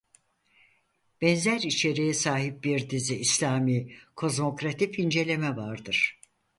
Benzer içeriğe sahip bir dizi İslami kozmografik inceleme vardır.